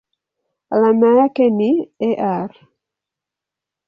Alama yake ni Ar.